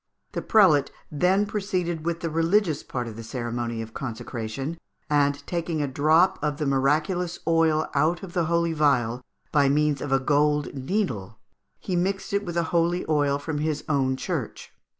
The prelate then proceeded with the religious part of the ceremony of consecration, and taking a drop of the miraculous oil out of the holy vial by means of a gold needle, he mixed it with the holy oil from his own church.